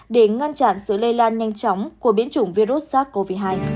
để ngăn chặn sự lây lan nhanh chóng của biến chủng virus sars cov hai